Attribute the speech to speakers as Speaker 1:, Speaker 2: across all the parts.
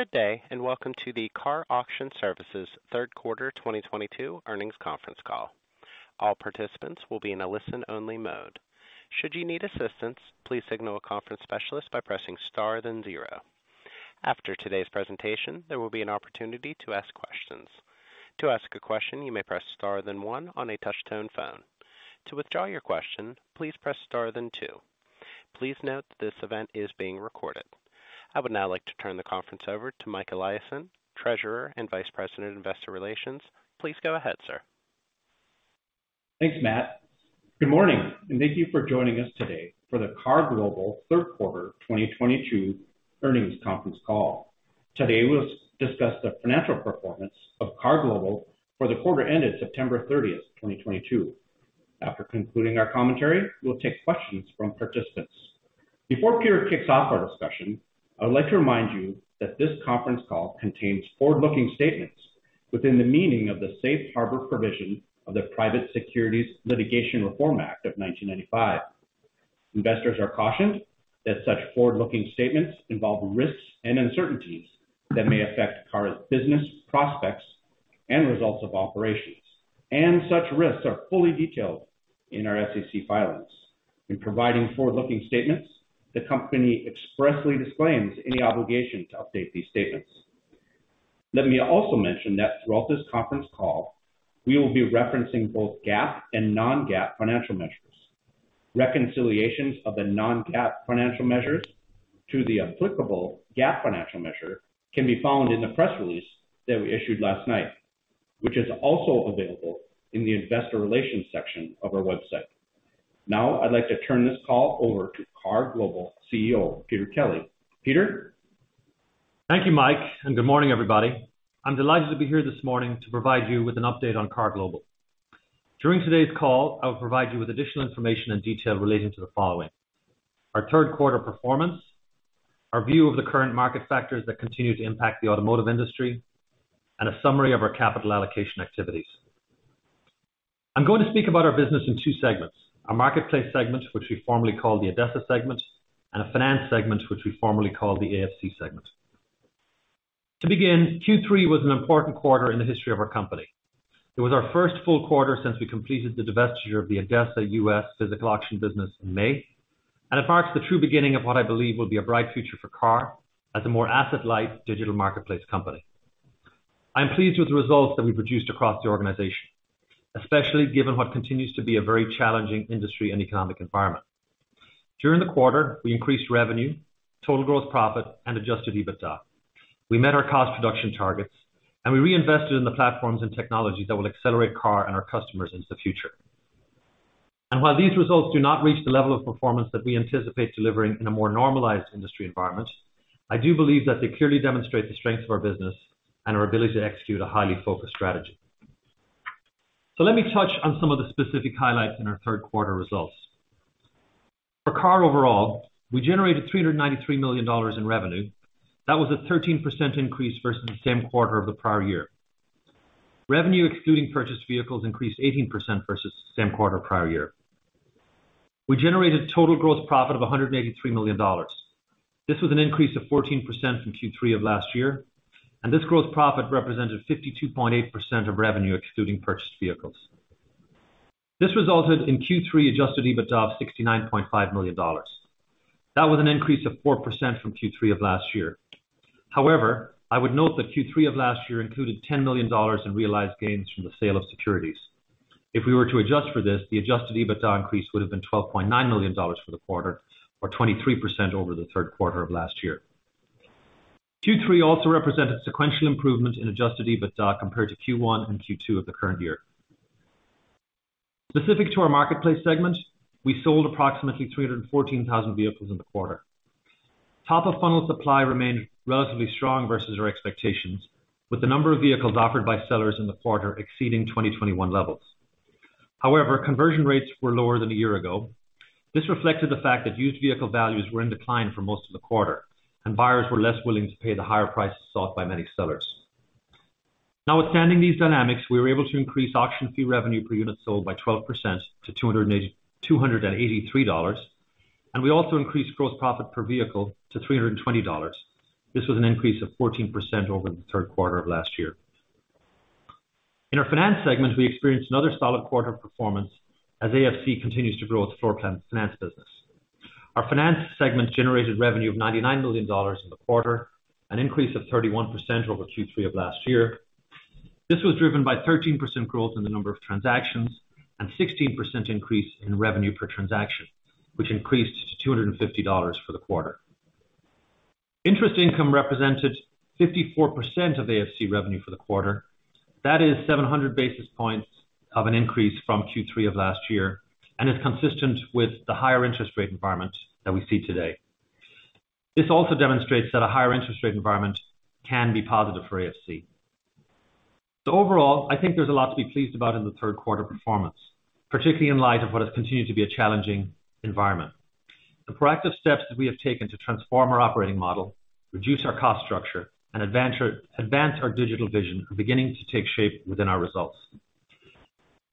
Speaker 1: Good day, and welcome to the KAR Auction Services third quarter 2022 earnings conference call. All participants will be in a listen-only mode. Should you need assistance, please signal a conference specialist by pressing Star, then zero. After today's presentation, there will be an opportunity to ask questions. To ask a question, you may press star then one on a touch tone phone. To withdraw your question, please press Star then two. Please note this event is being recorded. I would now like to turn the conference over to Mike Eliason, Treasurer and Vice President Investor Relations. Please go ahead, sir.
Speaker 2: Thanks, Matt. Good morning, and thank you for joining us today for the KAR Global third quarter 2022 earnings conference call. Today, we'll discuss the financial performance of KAR Global for the quarter ended September 30, 2022. After concluding our commentary, we'll take questions from participants. Before Peter kicks off our discussion, I would like to remind you that this conference call contains forward-looking statements within the meaning of the safe harbor provision of the Private Securities Litigation Reform Act of 1995. Investors are cautioned that such forward-looking statements involve risks and uncertainties that may affect KAR's business prospects and results of operations, and such risks are fully detailed in our SEC filings. In providing forward-looking statements, the company expressly disclaims any obligation to update these statements. Let me also mention that throughout this conference call, we will be referencing both GAAP and non-GAAP financial measures. Reconciliations of the non-GAAP financial measures to the applicable GAAP financial measure can be found in the press release that we issued last night, which is also available in the investor relations section of our website. Now I'd like to turn this call over to OPENLANE CEO, Peter Kelly. Peter?
Speaker 3: Thank you, Mike, and good morning, everybody. I'm delighted to be here this morning to provide you with an update on OPENLANE. During today's call, I will provide you with additional information and detail relating to the following. Our third quarter performance, our view of the current market factors that continue to impact the automotive industry, and a summary of our capital allocation activities. I'm going to speak about our business in two segments. Our Marketplace segment, which we formerly called the ADESA segment, and a Finance segment, which we formerly called the AFC segment. To begin, Q3 was an important quarter in the history of our company. It was our first full quarter since we completed the divestiture of the ADESA U.S. physical auction business in May, and it marks the true beginning of what I believe will be a bright future for KAR as a more asset-light digital marketplace company. I'm pleased with the results that we produced across the organization, especially given what continues to be a very challenging industry and economic environment. During the quarter, we increased revenue, total gross profit and Adjusted EBITDA. We met our cost reduction targets, and we reinvested in the platforms and technologies that will accelerate KAR and our customers into the future. While these results do not reach the level of performance that we anticipate delivering in a more normalized industry environment, I do believe that they clearly demonstrate the strengths of our business and our ability to execute a highly focused strategy. Let me touch on some of the specific highlights in our third quarter results. For KAR overall, we generated $393 million in revenue. That was a 13% increase versus the same quarter of the prior year. Revenue excluding purchased vehicles increased 18% versus the same quarter prior year. We generated total gross profit of $183 million. This was an increase of 14% from Q3 of last year, and this gross profit represented 52.8% of revenue excluding purchased vehicles. This resulted in Q3 Adjusted EBITDA of $69.5 million. That was an increase of 4% from Q3 of last year. However, I would note that Q3 of last year included $10 million in realized gains from the sale of securities. If we were to adjust for this, the Adjusted EBITDA increase would have been $12.9 million for the quarter, or 23% over the third quarter of last year. Q3 also represented sequential improvement in Adjusted EBITDA compared to Q1 and Q2 of the current year. Specific to our Marketplace segment, we sold approximately 314,000 vehicles in the quarter. Top of funnel supply remained relatively strong versus our expectations, with the number of vehicles offered by sellers in the quarter exceeding 2021 levels. However, conversion rates were lower than a year ago. This reflected the fact that used vehicle values were in decline for most of the quarter, and buyers were less willing to pay the higher prices sought by many sellers. Notwithstanding these dynamics, we were able to increase auction fee revenue per unit sold by 12% to $283, and we also increased gross profit per vehicle to $320. This was an increase of 14% over the third quarter of last year. In our Finance segment, we experienced another solid quarter of performance as AFC continues to grow its floor plan finance business. Our Finance segment generated revenue of $99 million in the quarter, an increase of 31% over Q3 of last year. This was driven by 13% growth in the number of transactions and 16% increase in revenue per transaction, which increased to $250 for the quarter. Interest income represented 54% of AFC revenue for the quarter. That is 700 basis points of an increase from Q3 of last year and is consistent with the higher interest rate environment that we see today. This also demonstrates that a higher interest rate environment can be positive for AFC. Overall, I think there's a lot to be pleased about in the third quarter performance, particularly in light of what has continued to be a challenging environment. The proactive steps that we have taken to transform our operating model, reduce our cost structure and advance our digital vision are beginning to take shape within our results.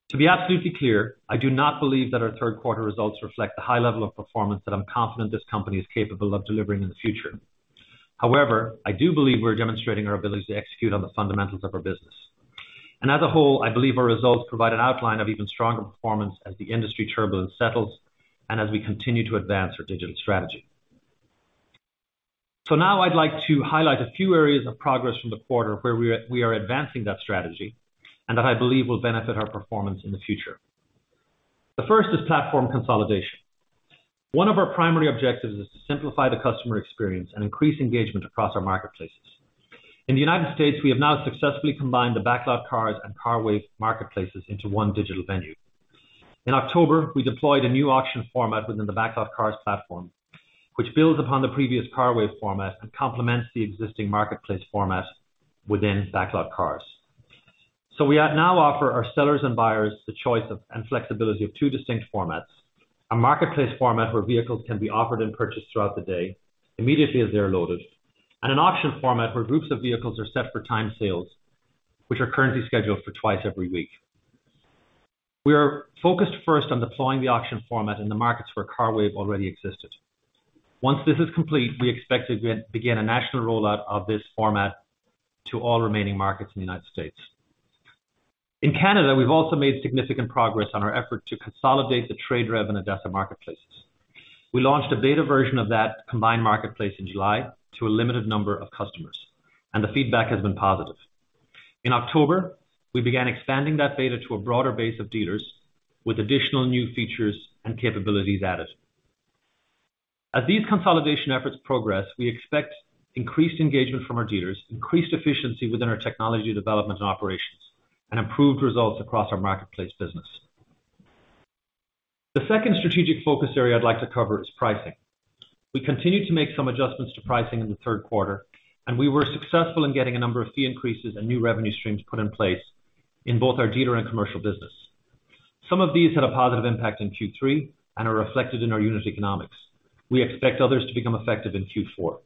Speaker 3: To be absolutely clear, I do not believe that our third quarter results reflect the high level of performance that I'm confident this company is capable of delivering in the future. However, I do believe we're demonstrating our ability to execute on the fundamentals of our business. As a whole, I believe our results provide an outline of even stronger performance as the industry turbulence settles and as we continue to advance our digital strategy. Now I'd like to highlight a few areas of progress from the quarter where we are advancing that strategy and that I believe will benefit our performance in the future. The first is platform consolidation. One of our primary objectives is to simplify the customer experience and increase engagement across our marketplaces. In the United States, we have now successfully combined the BacklotCars and CARWAVE marketplaces into one digital venue. In October, we deployed a new auction format within the BacklotCars platform, which builds upon the previous CARWAVE format and complements the existing marketplace format within BacklotCars. We now offer our sellers and buyers the choice of and flexibility of two distinct formats. A marketplace format where vehicles can be offered and purchased throughout the day immediately as they are loaded, and an auction format where groups of vehicles are set for time sales, which are currently scheduled for twice every week. We are focused first on deploying the auction format in the markets where CARWAVE already existed. Once this is complete, we expect to begin a national rollout of this format to all remaining markets in the United States. In Canada, we've also made significant progress on our effort to consolidate the TradeRev and ADESA marketplaces. We launched a beta version of that combined marketplace in July to a limited number of customers, and the feedback has been positive. In October, we began expanding that beta to a broader base of dealers with additional new features and capabilities added. As these consolidation efforts progress, we expect increased engagement from our dealers, increased efficiency within our technology development operations, and improved results across our marketplace business. The second strategic focus area I'd like to cover is pricing. We continue to make some adjustments to pricing in the third quarter, and we were successful in getting a number of fee increases and new revenue streams put in place in both our dealer and commercial business. Some of these had a positive impact in Q3 and are reflected in our unit economics. We expect others to become effective in Q4.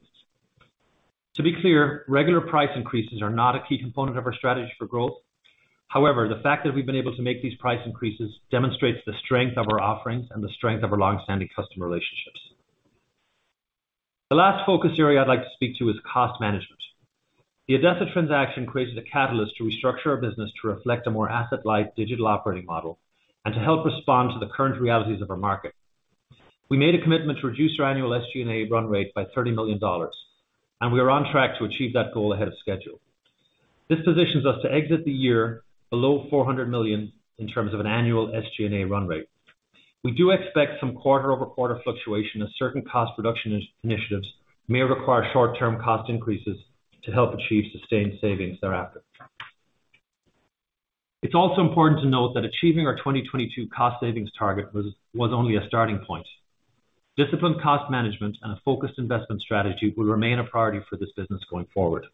Speaker 3: To be clear, regular price increases are not a key component of our strategy for growth. However, the fact that we've been able to make these price increases demonstrates the strength of our offerings and the strength of our long-standing customer relationships. The last focus area I'd like to speak to is cost management. The ADESA transaction created a catalyst to restructure our business to reflect a more asset-light digital operating model and to help respond to the current realities of our market. We made a commitment to reduce our annual SG&A run rate by $30 million, and we are on track to achieve that goal ahead of schedule. This positions us to exit the year below $400 million in terms of an annual SG&A run rate. We do expect some quarter-over-quarter fluctuation as certain cost reduction initiatives may require short-term cost increases to help achieve sustained savings thereafter. It's also important to note that achieving our 2022 cost savings target was only a starting point. Disciplined cost management and a focused investment strategy will remain a priority for this business going forward.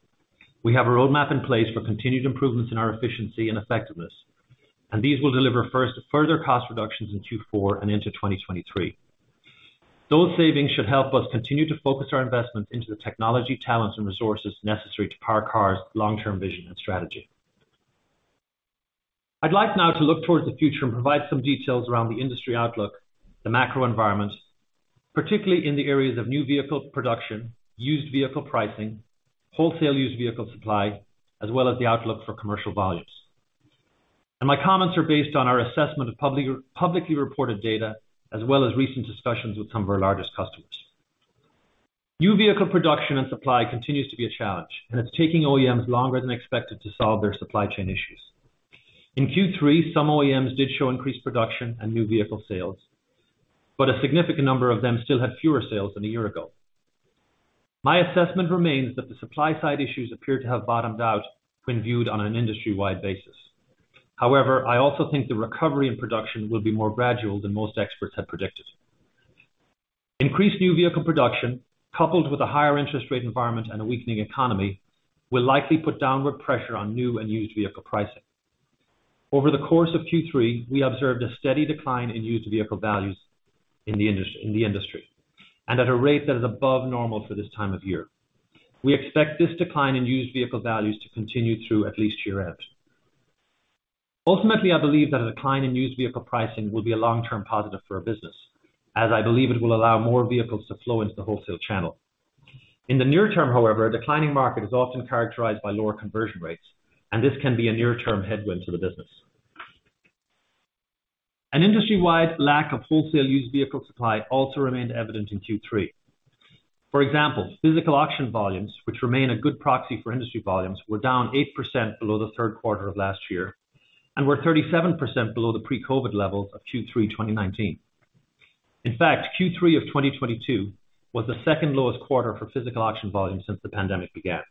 Speaker 3: We have a roadmap in place for continued improvements in our efficiency and effectiveness, and these will deliver first further cost reductions in Q4 and into 2023. Those savings should help us continue to focus our investments into the technology, talents, and resources necessary to power KAR's long-term vision and strategy. I'd like now to look towards the future and provide some details around the industry outlook, the macro environment, particularly in the areas of new vehicle production, used vehicle pricing, wholesale used vehicle supply, as well as the outlook for commercial volumes. My comments are based on our assessment of public, publicly reported data, as well as recent discussions with some of our largest customers. New vehicle production and supply continues to be a challenge, and it's taking OEMs longer than expected to solve their supply chain issues. In Q3, some OEMs did show increased production and new vehicle sales, but a significant number of them still had fewer sales than a year ago. My assessment remains that the supply side issues appear to have bottomed out when viewed on an industry-wide basis. However, I also think the recovery in production will be more gradual than most experts had predicted. Increased new vehicle production, coupled with a higher interest rate environment and a weakening economy, will likely put downward pressure on new and used vehicle pricing. Over the course of Q3, we observed a steady decline in used vehicle values in the industry and at a rate that is above normal for this time of year. We expect this decline in used vehicle values to continue through at least year-end. Ultimately, I believe that a decline in used vehicle pricing will be a long-term positive for our business, as I believe it will allow more vehicles to flow into the wholesale channel. In the near term, however, a declining market is often characterized by lower conversion rates, and this can be a near-term headwind to the business. An industry-wide lack of wholesale used vehicle supply also remained evident in Q3. For example, physical auction volumes, which remain a good proxy for industry volumes, were down 8% below the third quarter of last year and were 37% below the pre-COVID levels of Q3 2019. In fact, Q3 of 2022 was the second lowest quarter for physical auction volumes since the pandemic began.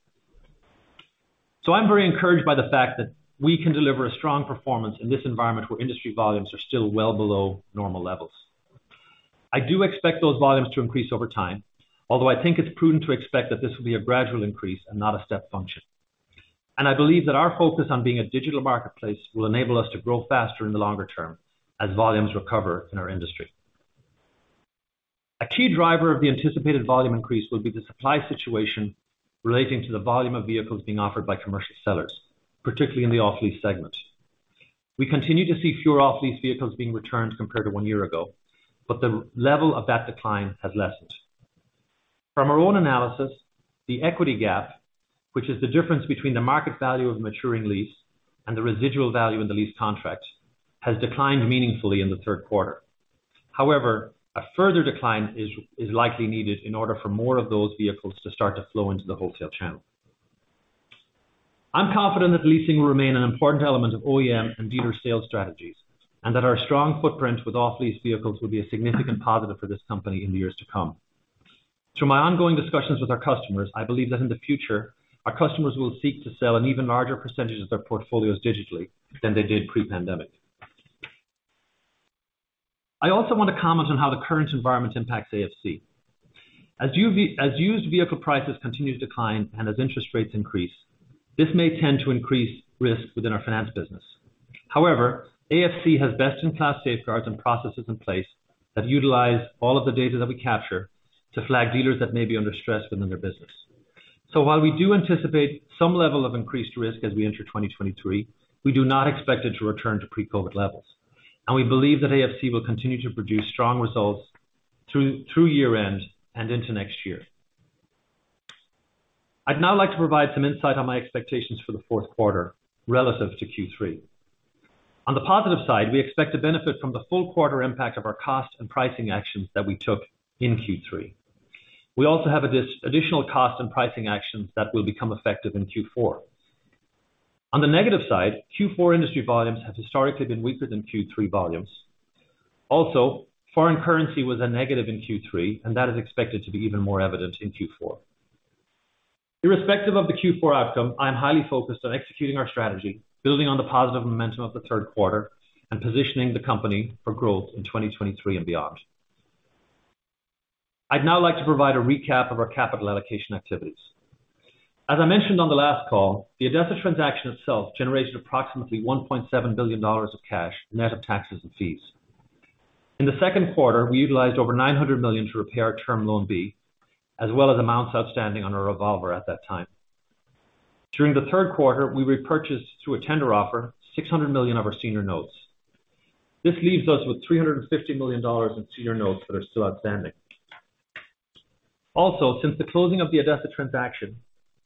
Speaker 3: I'm very encouraged by the fact that we can deliver a strong performance in this environment where industry volumes are still well below normal levels. I do expect those volumes to increase over time, although I think it's prudent to expect that this will be a gradual increase and not a step function. I believe that our focus on being a digital marketplace will enable us to grow faster in the longer term as volumes recover in our industry. A key driver of the anticipated volume increase will be the supply situation relating to the volume of vehicles being offered by commercial sellers, particularly in the off-lease segment. We continue to see fewer off-lease vehicles being returned compared to one year ago, but the level of that decline has lessened. From our own analysis, the equity gap, which is the difference between the market value of maturing lease and the residual value in the lease contract, has declined meaningfully in the third quarter. However, a further decline is likely needed in order for more of those vehicles to start to flow into the wholesale channel. I'm confident that leasing will remain an important element of OEM and dealer sales strategies, and that our strong footprint with off-lease vehicles will be a significant positive for this company in the years to come. Through my ongoing discussions with our customers, I believe that in the future, our customers will seek to sell an even larger percentage of their portfolios digitally than they did pre-pandemic. I also want to comment on how the current environment impacts AFC. As used vehicle prices continue to decline and as interest rates increase, this may tend to increase risk within our finance business. However, AFC has best-in-class safeguards and processes in place that utilize all of the data that we capture to flag dealers that may be under stress within their business. While we do anticipate some level of increased risk as we enter 2023, we do not expect it to return to pre-COVID levels. We believe that AFC will continue to produce strong results through year-end and into next year. I'd now like to provide some insight on my expectations for the fourth quarter relative to Q3. On the positive side, we expect to benefit from the full quarter impact of our cost and pricing actions that we took in Q3. We also have this additional cost and pricing actions that will become effective in Q4. On the negative side, Q4 industry volumes have historically been weaker than Q3 volumes. Also, foreign currency was a negative in Q3, and that is expected to be even more evident in Q4. Irrespective of the Q4 outcome, I am highly focused on executing our strategy, building on the positive momentum of the third quarter and positioning the company for growth in 2023 and beyond. I'd now like to provide a recap of our capital allocation activities. As I mentioned on the last call, the ADESA transaction itself generated approximately $1.7 billion of cash, net of taxes and fees. In the second quarter, we utilized over $900 million to repay Term Loan B, as well as amounts outstanding on our revolver at that time. During the third quarter, we repurchased through a tender offer $600 million of our senior notes. This leaves us with $350 million in senior notes that are still outstanding. Also, since the closing of the ADESA transaction,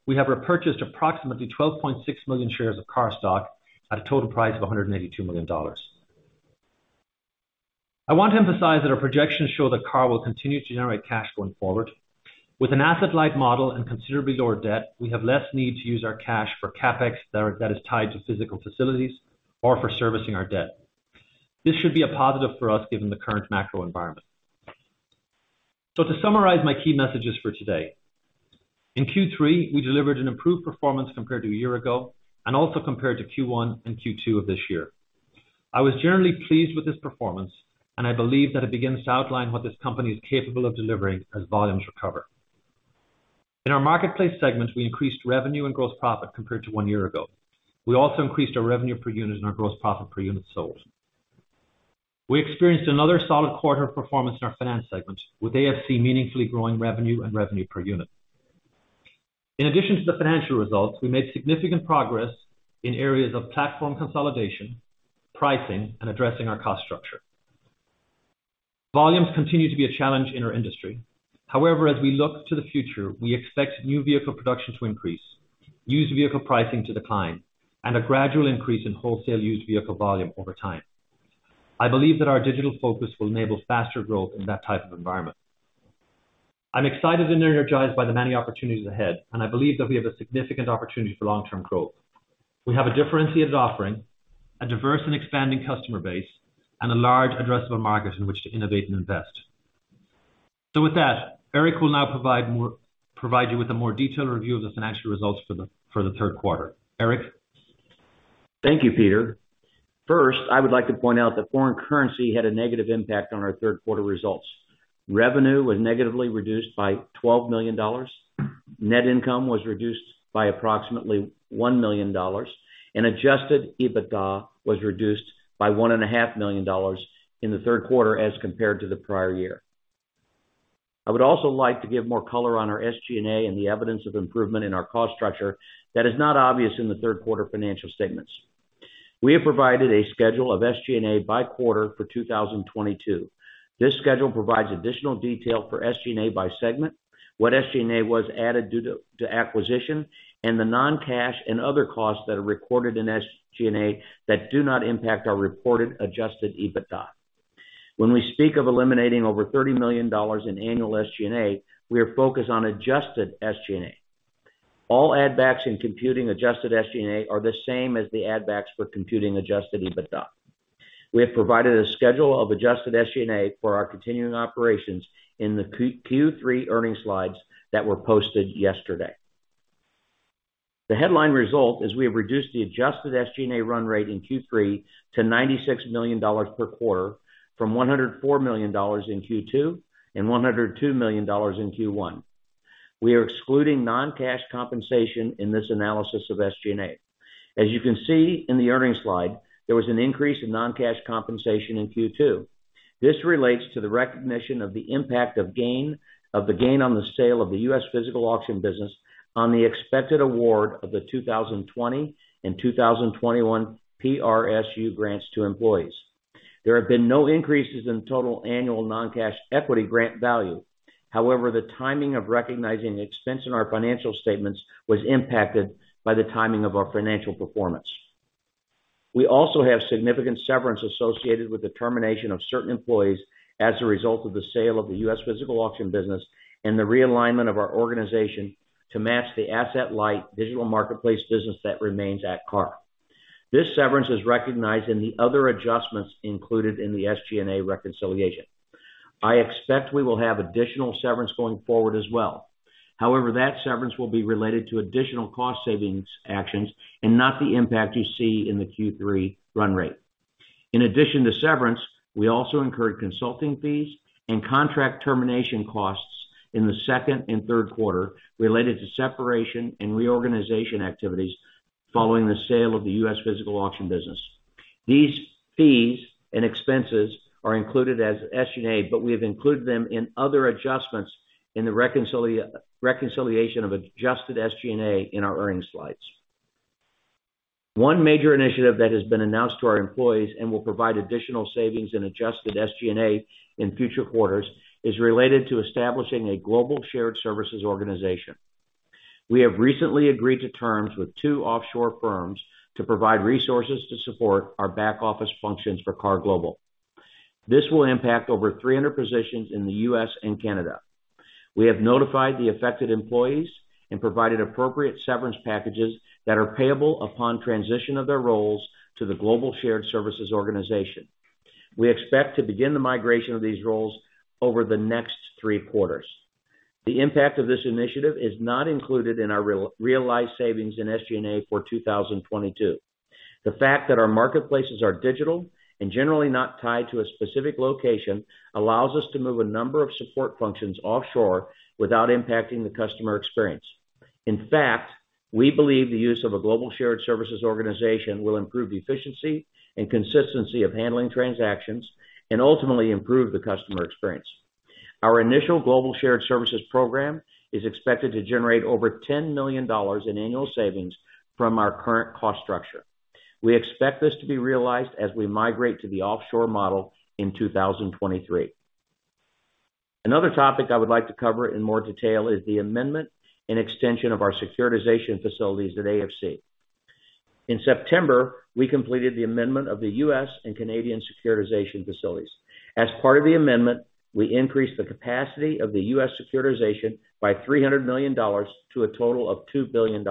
Speaker 3: we have repurchased approximately 12.6 million shares of KAR stock at a total price of $182 million. I want to emphasize that our projections show that KAR will continue to generate cash going forward. With an asset-light model and considerably lower debt, we have less need to use our cash for CapEx that is tied to physical facilities or for servicing our debt. This should be a positive for us given the current macro environment. To summarize my key messages for today. In Q3, we delivered an improved performance compared to a year ago and also compared to Q1 and Q2 of this year. I was generally pleased with this performance, and I believe that it begins to outline what this company is capable of delivering as volumes recover. In our Marketplace segment, we increased revenue and gross profit compared to one year ago. We also increased our revenue per unit and our gross profit per unit sold. We experienced another solid quarter of performance in our Finance segment, with AFC meaningfully growing revenue and revenue per unit. In addition to the financial results, we made significant progress in areas of platform consolidation, pricing, and addressing our cost structure. Volumes continue to be a challenge in our industry. However, as we look to the future, we expect new vehicle production to increase, used vehicle pricing to decline, and a gradual increase in wholesale used vehicle volume over time. I believe that our digital focus will enable faster growth in that type of environment. I'm excited and energized by the many opportunities ahead, and I believe that we have a significant opportunity for long-term growth. We have a differentiated offering, a diverse and expanding customer base, and a large addressable market in which to innovate and invest. With that, Eric will now provide you with a more detailed review of the financial results for the third quarter. Eric?
Speaker 4: Thank you, Peter. First, I would like to point out that foreign currency had a negative impact on our third quarter results. Revenue was negatively reduced by $12 million. Net income was reduced by approximately $1 million, and Adjusted EBITDA was reduced by $1.5 million in the third quarter as compared to the prior year. I would also like to give more color on our SG&A and the evidence of improvement in our cost structure that is not obvious in the third quarter financial statements. We have provided a schedule of SG&A by quarter for 2022. This schedule provides additional detail for SG&A by segment, what SG&A was added due to acquisition, and the non-cash and other costs that are recorded in SG&A that do not impact our reported Adjusted EBITDA. When we speak of eliminating over $30 million in annual SG&A, we are focused on adjusted SG&A. All add backs in computing adjusted SG&A are the same as the add backs for computing Adjusted EBITDA. We have provided a schedule of adjusted SG&A for our continuing operations in the Q3 earnings slides that were posted yesterday. The headline result is we have reduced the adjusted SG&A run rate in Q3 to $96 million per quarter from $104 million in Q2 and $102 million in Q1. We are excluding non-cash compensation in this analysis of SG&A. As you can see in the earnings slide, there was an increase in non-cash compensation in Q2. This relates to the recognition of the impact of the gain on the sale of the US physical auction business on the expected award of the 2020 and 2021 PRSU grants to employees. There have been no increases in total annual non-cash equity grant value. However, the timing of recognizing the expense in our financial statements was impacted by the timing of our financial performance. We also have significant severance associated with the termination of certain employees as a result of the sale of the US physical auction business and the realignment of our organization to match the asset-light digital marketplace business that remains at KAR. This severance is recognized in the other adjustments included in the SG&A reconciliation. I expect we will have additional severance going forward as well. However, that severance will be related to additional cost savings actions and not the impact you see in the Q3 run rate. In addition to severance, we also incurred consulting fees and contract termination costs in the second and third quarter related to separation and reorganization activities following the sale of the U.S. physical auction business. These fees and expenses are included as SG&A, but we have included them in other adjustments in the reconciliation of adjusted SG&A in our earnings slides. One major initiative that has been announced to our employees and will provide additional savings in adjusted SG&A in future quarters is related to establishing a global shared services organization. We have recently agreed to terms with two offshore firms to provide resources to support our back-office functions for KAR Global. This will impact over 300 positions in the U.S. and Canada. We have notified the affected employees and provided appropriate severance packages that are payable upon transition of their roles to the global shared services organization. We expect to begin the migration of these roles over the next three quarters. The impact of this initiative is not included in our realized savings in SG&A for 2022. The fact that our marketplaces are digital and generally not tied to a specific location allows us to move a number of support functions offshore without impacting the customer experience. In fact, we believe the use of a global shared services organization will improve the efficiency and consistency of handling transactions and ultimately improve the customer experience. Our initial global shared services program is expected to generate over $10 million in annual savings from our current cost structure. We expect this to be realized as we migrate to the offshore model in 2023. Another topic I would like to cover in more detail is the amendment and extension of our securitization facilities at AFC. In September, we completed the amendment of the US and Canadian securitization facilities. As part of the amendment, we increased the capacity of the US securitization by $300 million to a total of $2 billion.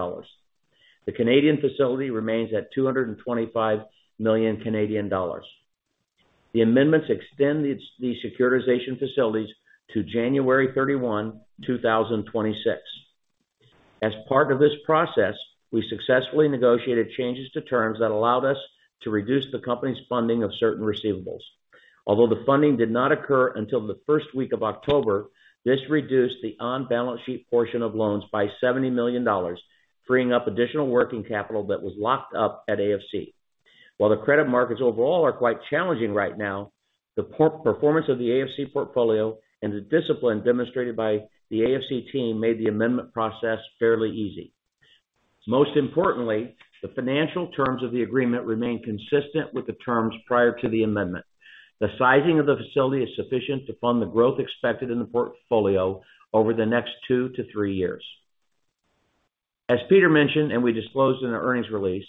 Speaker 4: The Canadian facility remains at 225 million Canadian dollars. The amendments extend the securitization facilities to January 31, 2026. As part of this process, we successfully negotiated changes to terms that allowed us to reduce the company's funding of certain receivables. Although the funding did not occur until the first week of October, this reduced the on-balance sheet portion of loans by $70 million, freeing up additional working capital that was locked up at AFC. While the credit markets overall are quite challenging right now, the superior performance of the AFC portfolio and the discipline demonstrated by the AFC team made the amendment process fairly easy. Most importantly, the financial terms of the agreement remain consistent with the terms prior to the amendment. The sizing of the facility is sufficient to fund the growth expected in the portfolio over the next two to three years. As Peter mentioned, and we disclosed in our earnings release,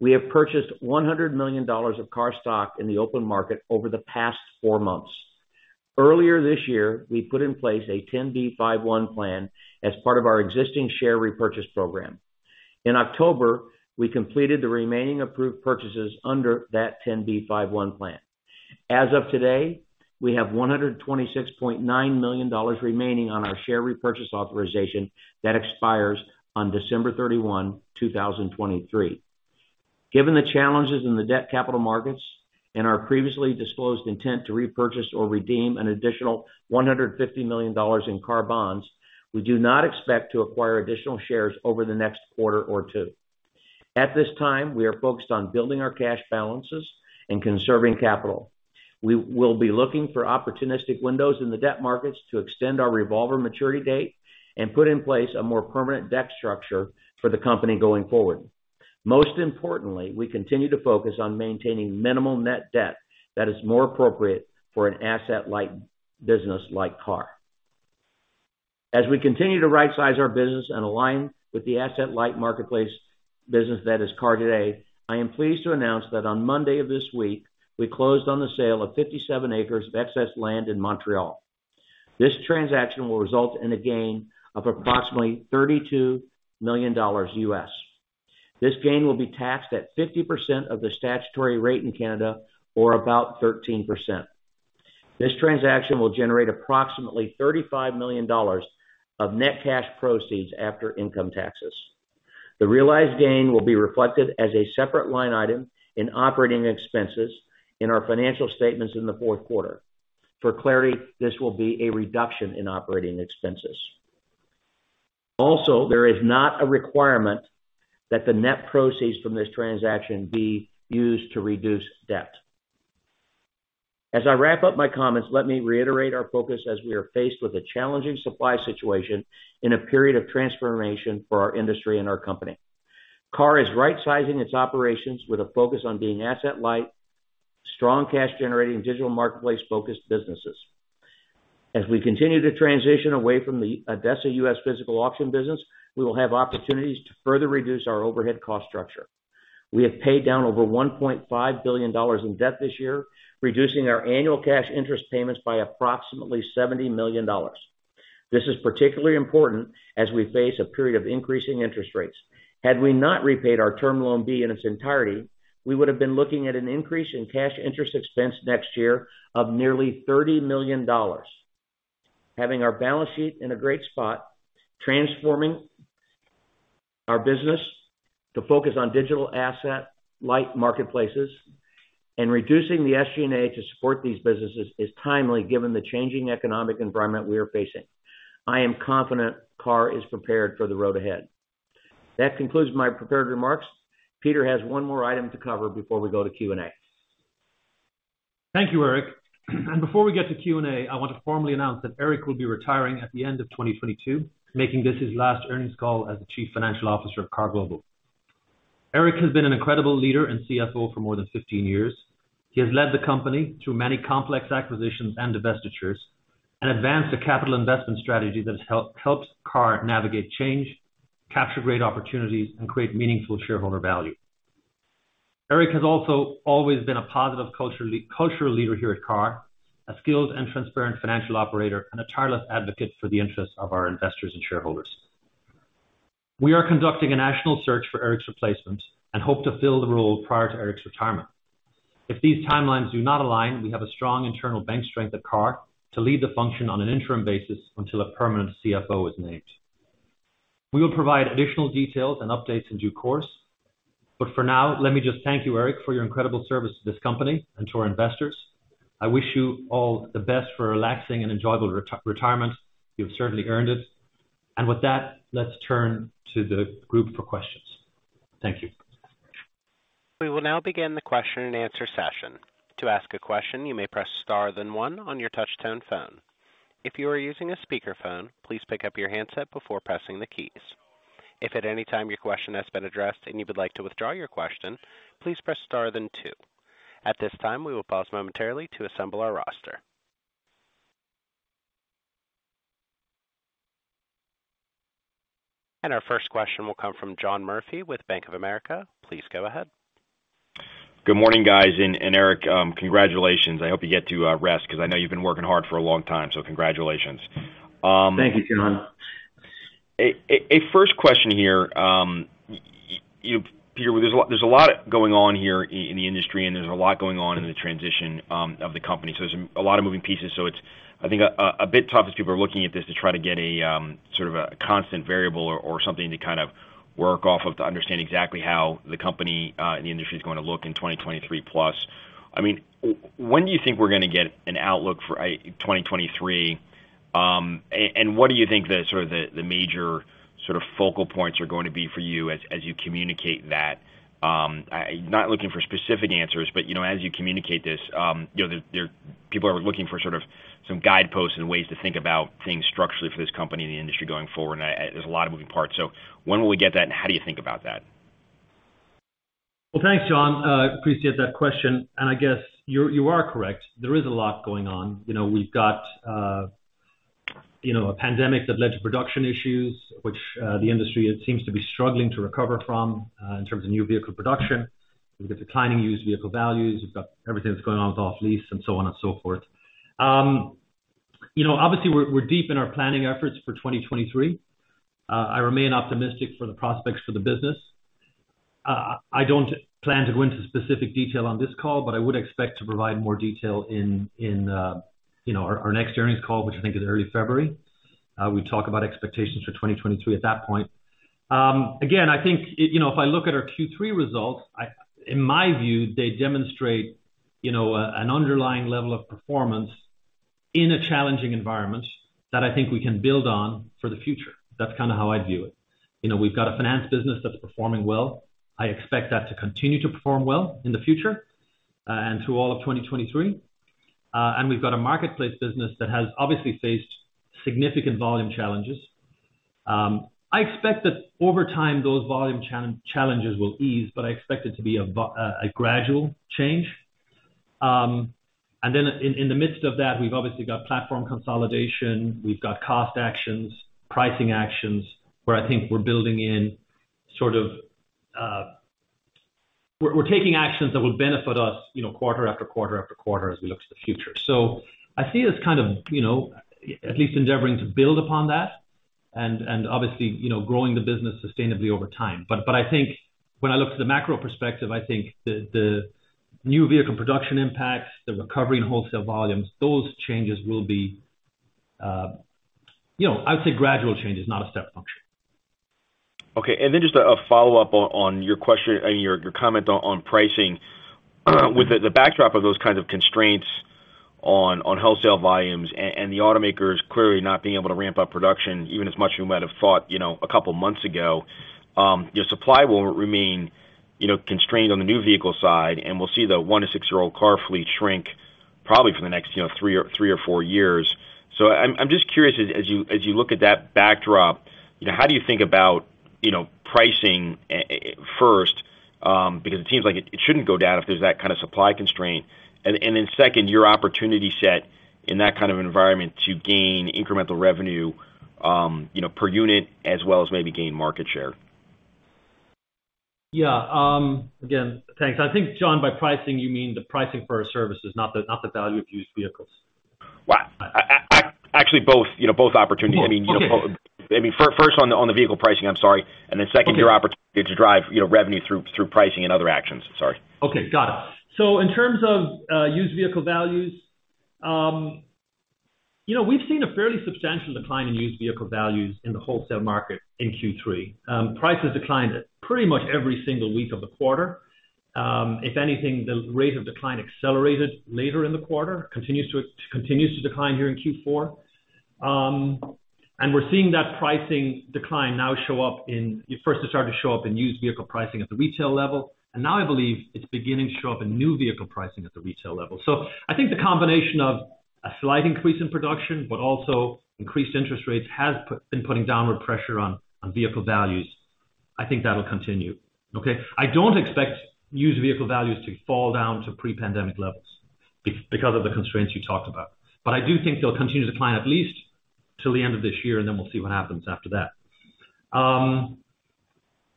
Speaker 4: we have purchased $100 million of KAR stock in the open market over the past four months. Earlier this year, we put in place a 10b5-1 plan as part of our existing share repurchase program. In October, we completed the remaining approved purchases under that 10b5-1 plan. As of today, we have $126.9 million remaining on our share repurchase authorization that expires on December 31, 2023. Given the challenges in the debt capital markets and our previously disclosed intent to repurchase or redeem an additional $150 million in KAR bonds, we do not expect to acquire additional shares over the next quarter or two. At this time, we are focused on building our cash balances and conserving capital. We will be looking for opportunistic windows in the debt markets to extend our revolver maturity date and put in place a more permanent debt structure for the company going forward. Most importantly, we continue to focus on maintaining minimal net debt that is more appropriate for an asset-light business like KAR. As we continue to rightsize our business and align with the asset-light marketplace business that is KAR today, I am pleased to announce that on Monday of this week, we closed on the sale of 57 acres of excess land in Montreal. This transaction will result in a gain of approximately $32 million. This gain will be taxed at 50% of the statutory rate in Canada, or about 13%. This transaction will generate approximately $35 million of net cash proceeds after income taxes. The realized gain will be reflected as a separate line item in operating expenses in our financial statements in the fourth quarter. For clarity, this will be a reduction in operating expenses. Also, there is not a requirement that the net proceeds from this transaction be used to reduce debt. As I wrap up my comments, let me reiterate our focus as we are faced with a challenging supply situation in a period of transformation for our industry and our company. KAR is rightsizing its operations with a focus on being asset light, strong cash generating digital marketplace focused businesses. As we continue to transition away from the ADESA U.S. physical auction business, we will have opportunities to further reduce our overhead cost structure. We have paid down over $1.5 billion in debt this year, reducing our annual cash interest payments by approximately $70 million. This is particularly important as we face a period of increasing interest rates. Had we not repaid our Term Loan B in its entirety, we would have been looking at an increase in cash interest expense next year of nearly $30 million. Having our balance sheet in a great spot, transforming our business to focus on digital asset light marketplaces and reducing the SG&A to support these businesses is timely given the changing economic environment we are facing. I am confident KAR is prepared for the road ahead. That concludes my prepared remarks. Peter has one more item to cover before we go to Q&A.
Speaker 3: Thank you, Eric. Before we get to Q&A, I want to formally announce that Eric will be retiring at the end of 2022, making this his last earnings call as the Chief Financial Officer of KAR Global. Eric has been an incredible leader and CFO for more than 15 years. He has led the company through many complex acquisitions and divestitures and advanced a capital investment strategy that's helped KAR navigate change, capture great opportunities, and create meaningful shareholder value. Eric has also always been a positive cultural leader here at KAR, a skilled and transparent financial operator, and a tireless advocate for the interests of our investors and shareholders. We are conducting a national search for Eric's replacement and hope to fill the role prior to Eric's retirement. If these timelines do not align, we have a strong internal bench strength at KAR to lead the function on an interim basis until a permanent CFO is named. We will provide additional details and updates in due course, but for now, let me just thank you, Eric, for your incredible service to this company and to our investors. I wish you all the best for a relaxing and enjoyable retirement. You've certainly earned it. With that, let's turn to the group for questions. Thank you.
Speaker 1: We will now begin the question and answer session. To ask a question, you may press star, then one on your touchtone phone. If you are using a speakerphone, please pick up your handset before pressing the keys. If at any time your question has been addressed and you would like to withdraw your question, please press star, then two. At this time, we will pause momentarily to assemble our roster. Our first question will come from John Murphy with Bank of America. Please go ahead.
Speaker 5: Good morning, guys. Eric, congratulations. I hope you get to rest because I know you've been working hard for a long time, so congratulations.
Speaker 4: Thank you, John.
Speaker 5: First question here. You, Peter, there's a lot going on here in the industry, and there's a lot going on in the transition of the company, so there's a lot of moving pieces. It's, I think, a bit tough as people are looking at this to try to get a sort of a constant variable or something to kind of work off of to understand exactly how the company and the industry is going to look in 2023 plus. I mean, when do you think we're gonna get an outlook for 2023? And what do you think the sort of the major sort of focal points are going to be for you as you communicate that? not looking for specific answers, but, you know, as you communicate this, you know, People are looking for sort of some guideposts and ways to think about things structurally for this company and the industry going forward. There's a lot of moving parts. When will we get that, and how do you think about that?
Speaker 3: Well, thanks, John. Appreciate that question. I guess you are correct. There is a lot going on. You know, we've got, you know, a pandemic that led to production issues which, the industry seems to be struggling to recover from, in terms of new vehicle production. We've got declining used vehicle values. We've got everything that's going on with off-lease and so on and so forth. You know, obviously we're deep in our planning efforts for 2023. I remain optimistic for the prospects for the business. I don't plan to go into specific detail on this call, but I would expect to provide more detail in, you know, our next earnings call, which I think is early February. We talk about expectations for 2023 at that point. Again, I think, you know, if I look at our Q3 results, in my view, they demonstrate, you know, an underlying level of performance in a challenging environment that I think we can build on for the future. That's kind of how I view it. You know, we've got a finance business that's performing well. I expect that to continue to perform well in the future, and through all of 2023. We've got a marketplace business that has obviously faced significant volume challenges. I expect that over time, those volume challenges will ease, but I expect it to be a gradual change. In the midst of that, we've obviously got platform consolidation, we've got cost actions, pricing actions, where I think we're building in sort of. We're taking actions that will benefit us, you know, quarter after quarter after quarter as we look to the future. I see this kind of, you know, at least endeavoring to build upon that and obviously, you know, growing the business sustainably over time. I think when I look to the macro perspective, I think the new vehicle production impacts, the recovery and wholesale volumes, those changes will be, you know, I would say gradual change is not a step function.
Speaker 5: Okay. Then just a follow-up on your question and your comment on pricing. With the backdrop of those kinds of constraints on wholesale volumes and the automakers clearly not being able to ramp up production even as much as you might have thought, you know, a couple months ago, your supply will remain, you know, constrained on the new vehicle side, and we'll see the one to six-year-old car fleet shrink probably for the next, you know, three or four years. I'm just curious as you look at that backdrop, you know, how do you think about, you know, pricing at first? Because it seems like it shouldn't go down if there's that kind of supply constraint. Then second, your opportunity set in that kind of environment to gain incremental revenue, you know, per unit as well as maybe gain market share.
Speaker 3: Yeah. Again, thanks. I think, John, by pricing you mean the pricing for our services, not the value of used vehicles.
Speaker 5: Well, actually both, you know, both opportunities.
Speaker 3: Well, okay.
Speaker 5: I mean, you know, I mean, first on the vehicle pricing, I'm sorry, and then second-
Speaker 3: Okay.
Speaker 5: your opportunity to drive, you know, revenue through pricing and other actions. Sorry.
Speaker 3: Okay. Got it. In terms of used vehicle values, you know, we've seen a fairly substantial decline in used vehicle values in the wholesale market in Q3. Prices declined pretty much every single week of the quarter. If anything, the rate of decline accelerated later in the quarter. Continues to decline here in Q4. We're seeing that pricing decline now show up in. First it started to show up in used vehicle pricing at the retail level, and now I believe it's beginning to show up in new vehicle pricing at the retail level. I think the combination of a slight increase in production, but also increased interest rates has been putting downward pressure on vehicle values. I think that'll continue. Okay? I don't expect used vehicle values to fall down to pre-pandemic levels because of the constraints you talked about, but I do think they'll continue to decline at least till the end of this year, and then we'll see what happens after that.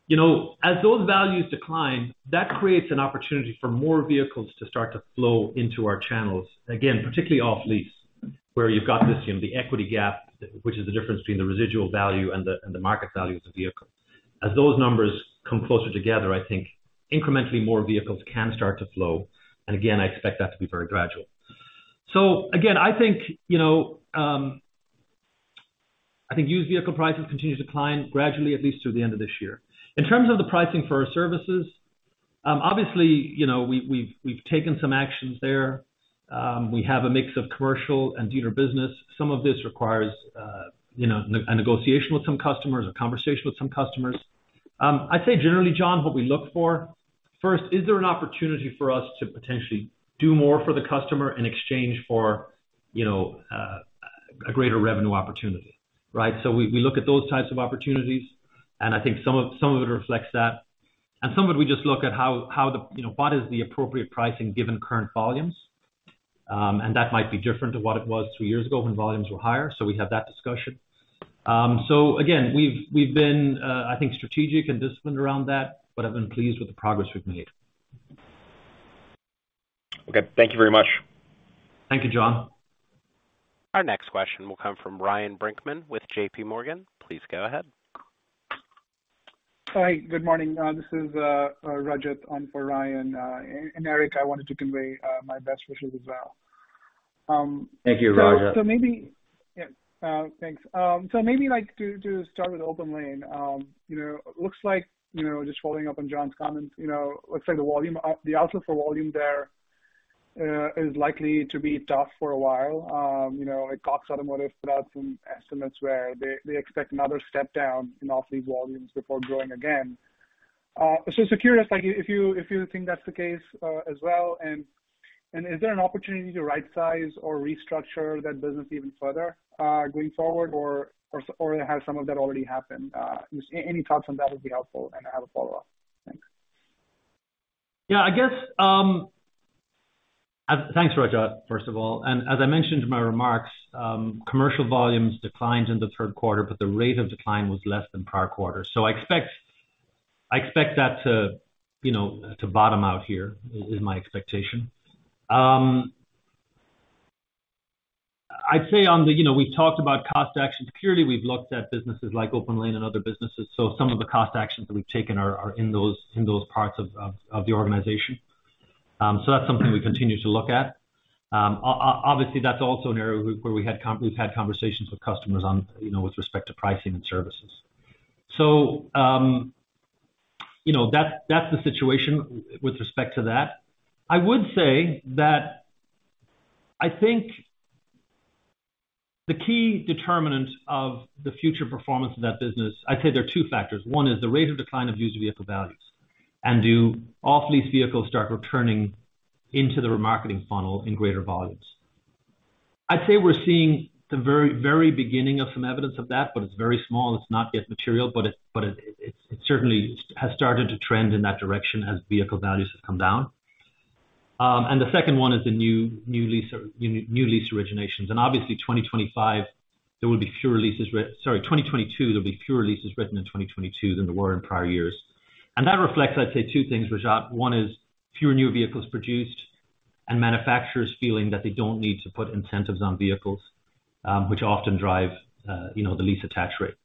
Speaker 3: You know, as those values decline, that creates an opportunity for more vehicles to start to flow into our channels, again, particularly off lease, where you've got this, you know, the equity gap, which is the difference between the residual value and the market value of the vehicle. As those numbers come closer together, I think incrementally more vehicles can start to flow, and again, I expect that to be very gradual. Again, I think, you know, used vehicle prices continue to decline gradually at least through the end of this year. In terms of the pricing for our services, obviously, you know, we've taken some actions there. We have a mix of commercial and dealer business. Some of this requires, you know, a negotiation with some customers, a conversation with some customers. I'd say generally, John, what we look for, first, is there an opportunity for us to potentially do more for the customer in exchange for, you know, a greater revenue opportunity, right? We look at those types of opportunities, and I think some of it reflects that. Some of it we just look at what is the appropriate pricing given current volumes. That might be different to what it was two years ago when volumes were higher. We have that discussion. Again, we've been, I think, strategic and disciplined around that, but I've been pleased with the progress we've made.
Speaker 5: Okay. Thank you very much.
Speaker 3: Thank you, John.
Speaker 1: Our next question will come from Ryan Brinkman with JPMorgan. Please go ahead.
Speaker 6: Hi. Good morning. This is Rajat in for Ryan. And Eric, I wanted to convey my best wishes as well.
Speaker 3: Thank you, Rajat.
Speaker 6: Thanks. Maybe like to start with OPENLANE, you know, looks like, you know, just following up on John's comments, you know, looks like the volume, the outlook for volume there, is likely to be tough for a while. You know, like Cox Automotive put out some estimates where they expect another step down in off-lease volumes before growing again. Just curious, like if you think that's the case as well, and is there an opportunity to right-size or restructure that business even further going forward or has some of that already happened? Just any thoughts on that would be helpful, and I have a follow-up. Thanks.
Speaker 3: Yeah, I guess. Thanks, Rajat, first of all. As I mentioned in my remarks, commercial volumes declined in the third quarter, but the rate of decline was less than prior quarters. I expect that to, you know, to bottom out here. Is my expectation. I'd say on the, you know, we talked about cost actions. Purely we've looked at businesses like OPENLANE and other businesses, so some of the cost actions that we've taken are in those parts of the organization. That's something we continue to look at. Obviously that's also an area where we've had conversations with customers on, you know, with respect to pricing and services. You know, that's the situation with respect to that. I would say that I think the key determinant of the future performance of that business, I'd say there are two factors. One is the rate of decline of used vehicle values. Do off-lease vehicles start returning into the remarketing funnel in greater volumes? I'd say we're seeing the very, very beginning of some evidence of that, but it's very small. It's not yet material, but it certainly has started to trend in that direction as vehicle values have come down. The second one is the new lease originations. Obviously 2022 there will be fewer leases written in 2022 than there were in prior years. That reflects, I'd say, two things, Rajat. One is fewer new vehicles produced and manufacturers feeling that they don't need to put incentives on vehicles, which often drive the lease attach rate.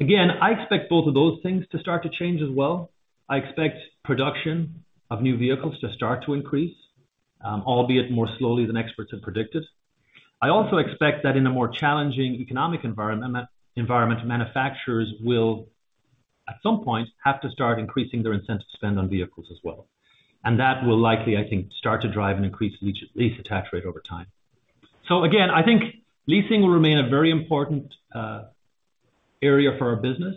Speaker 3: Again, I expect both of those things to start to change as well. I expect production of new vehicles to start to increase, albeit more slowly than experts have predicted. I also expect that in a more challenging economic environment, manufacturers will, at some point, have to start increasing their incentive spend on vehicles as well. That will likely, I think, start to drive an increased lease attach rate over time. Again, I think leasing will remain a very important area for our business.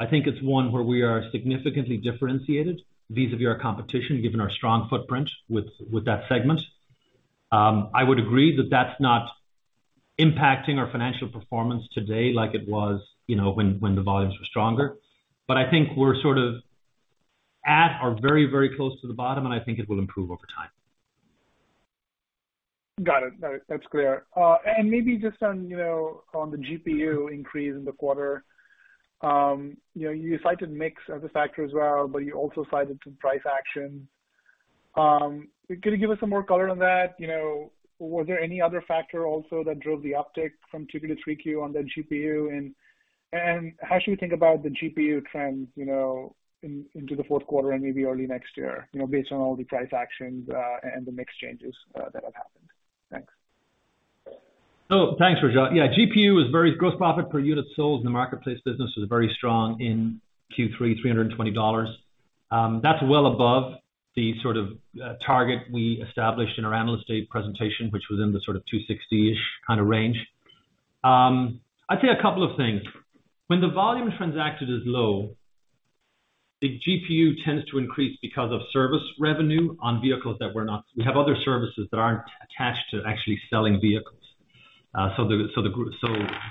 Speaker 3: I think it's one where we are significantly differentiated vis-à-vis our competition, given our strong footprint with that segment. I would agree that that's not impacting our financial performance today like it was, you know, when the volumes were stronger. I think we're sort of at or very, very close to the bottom, and I think it will improve over time.
Speaker 6: Got it. That's clear. Maybe just on, you know, on the GPU increase in the quarter. You know, you cited mix as a factor as well, but you also cited some price action. Could you give us some more color on that? You know, were there any other factor also that drove the uptick from 2Q to 3Q on the GPU? How should we think about the GPU trends, you know, into the fourth quarter and maybe early next year, you know, based on all the price actions and the mix changes that have happened? Thanks.
Speaker 3: Oh, thanks, Rajat. Yeah, GPU, our gross profit per unit sold in the marketplace business, was very strong in Q3, $320. That's well above the sort of target we established in our analyst day presentation, which was in the sort of 260-ish kind of range. I'd say a couple of things. When the volume transacted is low, the GPU tends to increase because of service revenue on vehicles that were not. We have other services that aren't attached to actually selling vehicles. So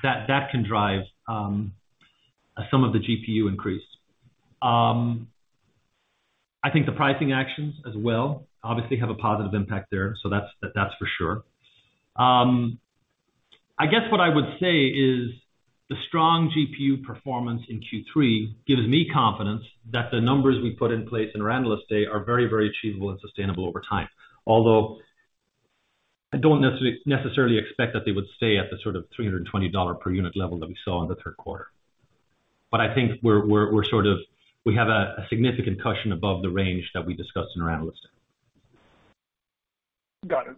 Speaker 3: that can drive some of the GPU increase. I think the pricing actions as well obviously have a positive impact there. That's for sure. I guess what I would say is the strong GPU performance in Q3 gives me confidence that the numbers we put in place in our Analyst Day are very, very achievable and sustainable over time. Although I don't necessarily expect that they would stay at the sort of $320 per unit level that we saw in the third quarter. I think we have a significant cushion above the range that we discussed in our Analyst Day.
Speaker 6: Got it.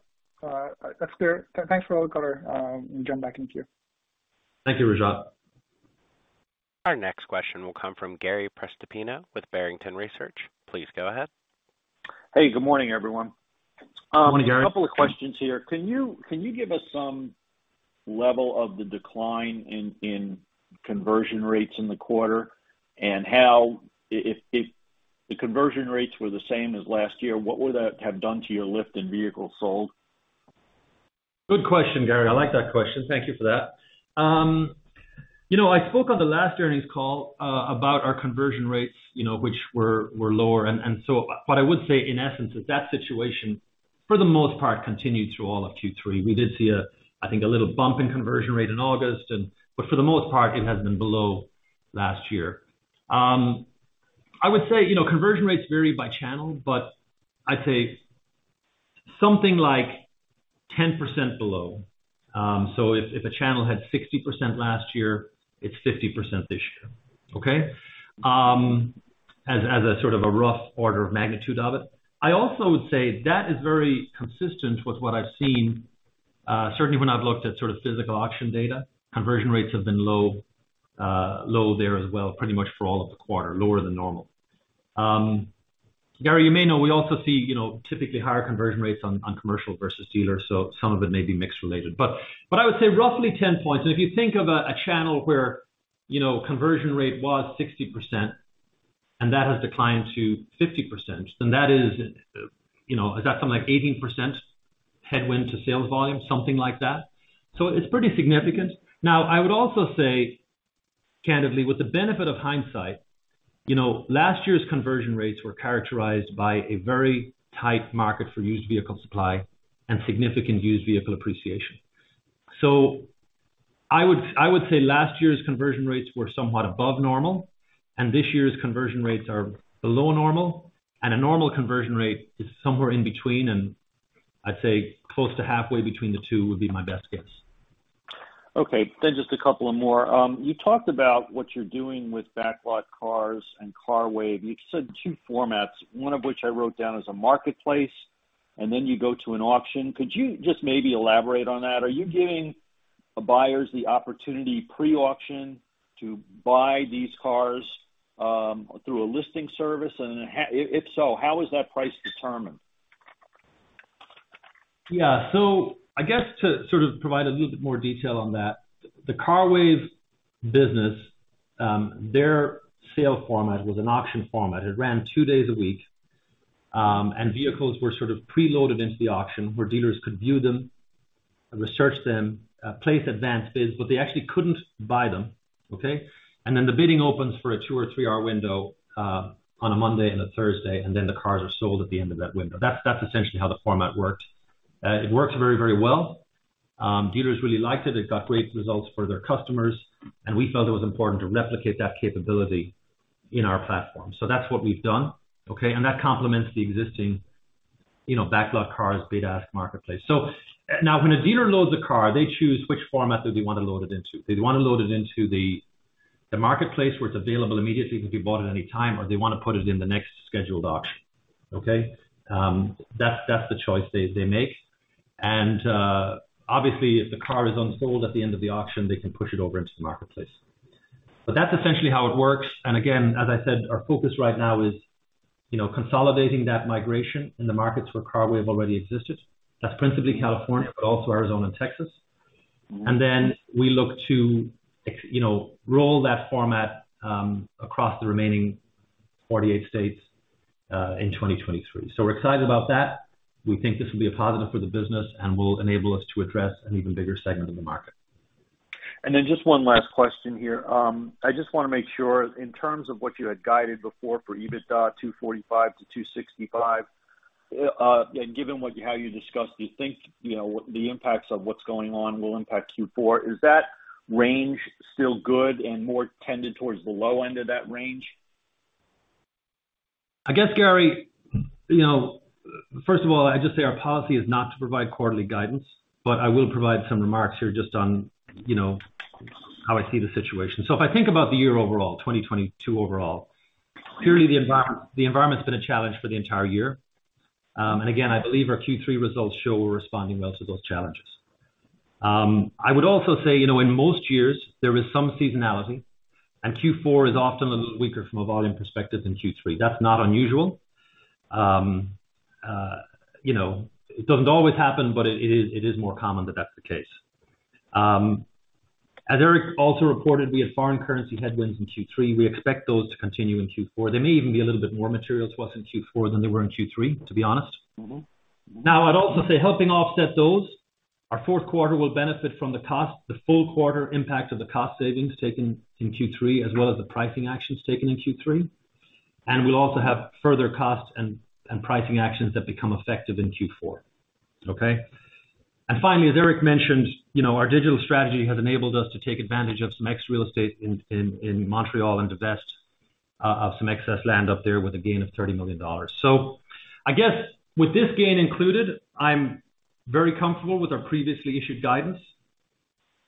Speaker 6: That's clear. Thanks for all the color, and jump back in queue.
Speaker 3: Thank you, Rajat Gupta.
Speaker 1: Our next question will come from Gary Prestopino with Barrington Research. Please go ahead.
Speaker 7: Hey, good morning, everyone.
Speaker 3: Good morning, Gary.
Speaker 7: A couple of questions here. Can you give us some level of the decline in conversion rates in the quarter? How, if the conversion rates were the same as last year, what would that have done to your lift in vehicles sold?
Speaker 3: Good question, Gary. I like that question. Thank you for that. You know, I spoke on the last earnings call about our conversion rates, you know, which were lower. What I would say in essence is that situation, for the most part, continued through all of Q3. We did see, I think, a little bump in conversion rate in August and, but for the most part, it has been below last year. You know, conversion rates vary by channel, but I'd say something like 10% below. If a channel had 60% last year, it's 50% this year. Okay. As a sort of a rough order of magnitude of it. I also would say that is very consistent with what I've seen, certainly when I've looked at sort of physical auction data. Conversion rates have been low there as well, pretty much for all of the quarter, lower than normal. Gary, you may know we also see, you know, typically higher conversion rates on commercial versus dealer, so some of it may be mix related. I would say roughly 10 points. If you think of a channel where, you know, conversion rate was 60% and that has declined to 50%, then that is, you know, is that something like 18% headwind to sales volume? Something like that. It's pretty significant. Now, I would also say, candidly, with the benefit of hindsight, you know, last year's conversion rates were characterized by a very tight market for used vehicle supply and significant used vehicle appreciation. I would say last year's conversion rates were somewhat above normal, and this year's conversion rates are below normal, and a normal conversion rate is somewhere in between. I'd say close to halfway between the two would be my best guess.
Speaker 7: Okay. Just a couple of more. You talked about what you're doing with BacklotCars and CARWAVE. You said two formats, one of which I wrote down as a marketplace, and then you go to an auction. Could you just maybe elaborate on that? Are you giving the buyers the opportunity pre-auction to buy these cars, through a listing service? And if so, how is that price determined?
Speaker 3: Yeah. I guess to sort of provide a little bit more detail on that. The CARWAVE business, their sale format was an auction format. It ran two days a week, and vehicles were sort of preloaded into the auction where dealers could view them and research them, place advanced bids, but they actually couldn't buy them, okay? Then the bidding opens for a two or three-hour window, on a Monday and a Thursday, and then the cars are sold at the end of that window. That's essentially how the format worked. It works very, very well. Dealers really liked it. It got great results for their customers, and we felt it was important to replicate that capability in our platform. That's what we've done, okay? That complements the existing BacklotCars bid-ask marketplace. Now when a dealer loads a car, they choose which format that they wanna load it into. They wanna load it into the marketplace where it's available immediately, can be bought at any time, or they wanna put it in the next scheduled auction. Okay? That's the choice they make. Obviously, if the car is unsold at the end of the auction, they can push it over into the marketplace. But that's essentially how it works. As I said, our focus right now is, you know, consolidating that migration in the markets where CARWAVE already existed. That's principally California, but also Arizona and Texas. We look to you know, roll that format across the remaining 48 states in 2023. We're excited about that. We think this will be a positive for the business and will enable us to address an even bigger segment of the market.
Speaker 7: Just one last question here. I just wanna make sure in terms of what you had guided before for EBITDA $245-$265, yeah, given what, how you discussed, do you think, you know, the impacts of what's going on will impact Q4? Is that range still good and more tended towards the low end of that range?
Speaker 3: I guess, Gary, you know, first of all, I'd just say our policy is not to provide quarterly guidance, but I will provide some remarks here just on, you know, how I see the situation. If I think about the year overall, 2022 overall, clearly the environment's been a challenge for the entire year. Again, I believe our Q3 results show we're responding well to those challenges. I would also say, you know, in most years there is some seasonality, and Q4 is often a little weaker from a volume perspective than Q3. That's not unusual. You know, it doesn't always happen, but it is more common that that's the case. As Eric also reported, we had foreign currency headwinds in Q3. We expect those to continue in Q4. They may even be a little bit more material to us in Q4 than they were in Q3, to be honest.
Speaker 7: Mm-hmm.
Speaker 3: Now, I'd also say helping offset those, our fourth quarter will benefit from the cost, the full quarter impact of the cost savings taken in Q3, as well as the pricing actions taken in Q3. We'll also have further costs and pricing actions that become effective in Q4. Okay? Finally, as Eric mentioned, you know, our digital strategy has enabled us to take advantage of some extra real estate in Montreal and divest of some excess land up there with a gain of $30 million. I guess with this gain included, I'm very comfortable with our previously issued guidance.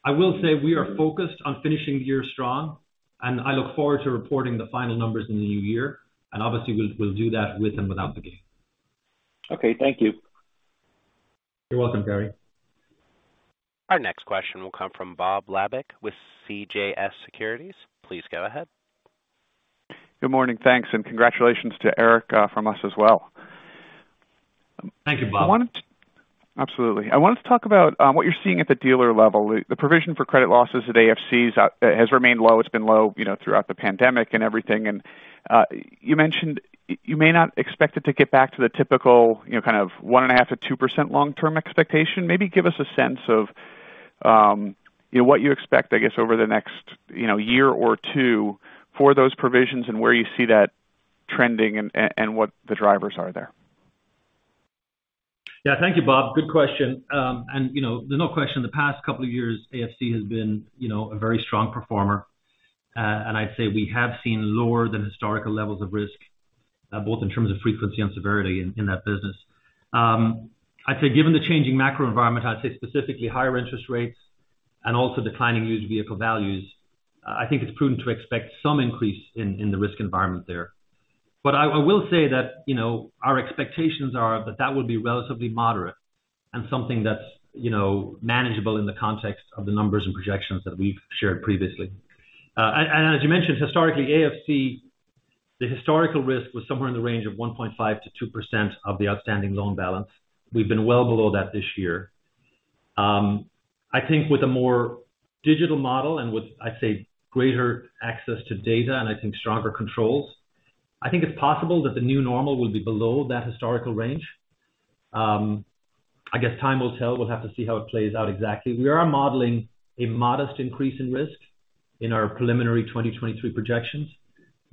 Speaker 3: I will say we are focused on finishing the year strong, and I look forward to reporting the final numbers in the new year, and obviously we'll do that with and without the gain.
Speaker 7: Okay, thank you.
Speaker 3: You're welcome, Gary.
Speaker 1: Our next question will come from Bob Labick with CJS Securities. Please go ahead.
Speaker 8: Good morning, thanks, and congratulations to Eric, from us as well.
Speaker 3: Thank you, Bob.
Speaker 8: Absolutely. I wanted to talk about what you're seeing at the dealer level. The provision for credit losses at AFC's has remained low. It's been low, you know, throughout the pandemic and everything. You mentioned you may not expect it to get back to the typical, you know, kind of 1.5%-2% long-term expectation. Maybe give us a sense of what you expect, I guess, over the next year or two for those provisions and where you see that trending and what the drivers are there.
Speaker 3: Yeah. Thank you, Bob. Good question. You know, there's no question in the past couple of years, AFC has been, you know, a very strong performer. I'd say we have seen lower than historical levels of risk, both in terms of frequency and severity in that business. I'd say given the changing macro environment, I'd say specifically higher interest rates and also declining used vehicle values, I think it's prudent to expect some increase in the risk environment there. But I will say that, you know, our expectations are that that will be relatively moderate and something that's, you know, manageable in the context of the numbers and projections that we've shared previously. As you mentioned, historically, AFC, the historical risk was somewhere in the range of 1.5%-2% of the outstanding loan balance. We've been well below that this year. I think with a more digital model and with, I'd say, greater access to data and I think stronger controls, I think it's possible that the new normal will be below that historical range. I guess time will tell. We'll have to see how it plays out exactly. We are modeling a modest increase in risk in our preliminary 2023 projections,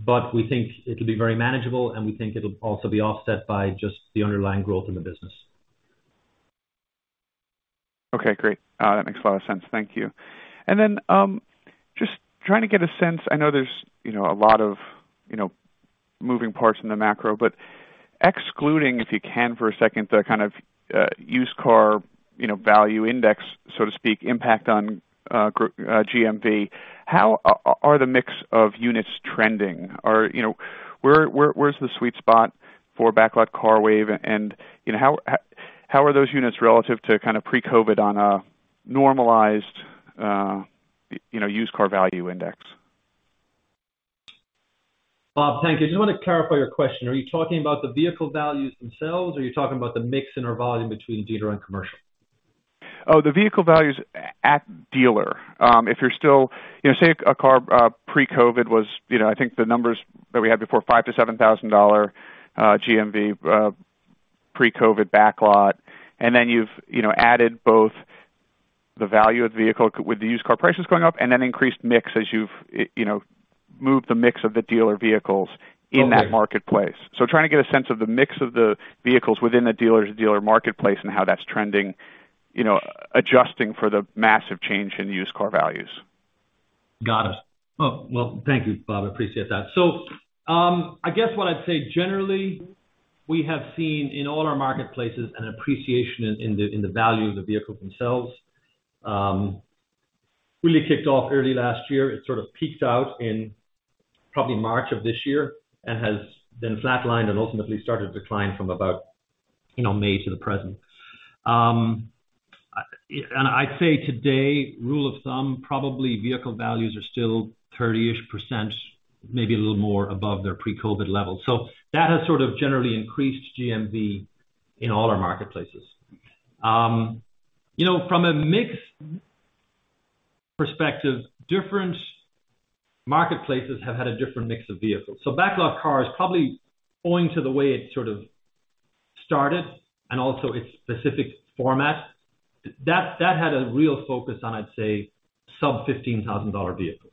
Speaker 3: but we think it'll be very manageable, and we think it'll also be offset by just the underlying growth in the business.
Speaker 8: Okay, great. That makes a lot of sense. Thank you. Just trying to get a sense, I know there's, you know, a lot of, you know, moving parts in the macro, but excluding, if you can for a second, the kind of used car, you know, value index, so to speak, impact on GMV, how are the mix of units trending? You know, where's the sweet spot for BacklotCars, CARWAVE? And, you know, how are those units relative to kind of pre-COVID on a normalized, you know, used car value index?
Speaker 3: Bob, thank you. I just wanna clarify your question. Are you talking about the vehicle values themselves, or are you talking about the mix in our volume between dealer and commercial?
Speaker 8: The vehicle values at dealer. If you're still you know, say a car pre-COVID was, you know, I think the numbers that we had before, $5,000-$7,000 GMV pre-COVID BacklotCars, and then you've you know, added both the value of the vehicle with the used car prices going up and then increased mix as you've you know, moved the mix of the dealer vehicles.
Speaker 3: Okay.
Speaker 8: in that marketplace. Trying to get a sense of the mix of the vehicles within the dealer-to-dealer marketplace and how that's trending, you know, adjusting for the massive change in used car values.
Speaker 3: Got it. Oh, well, thank you, Bob. Appreciate that. I guess what I'd say generally, we have seen in all our marketplaces an appreciation in the value of the vehicles themselves. Really kicked off early last year. It sort of peaked out in probably March of this year and has then flatlined and ultimately started to decline from about, you know, May to the present. And I'd say today, rule of thumb, probably vehicle values are still 30-ish%, maybe a little more above their pre-COVID levels. That has sort of generally increased GMV in all our marketplaces. You know, from a mix perspective, different marketplaces have had a different mix of vehicles. BacklotCars probably owing to the way it sort of started and also its specific format, that had a real focus on, I'd say, sub-$15,000 vehicles.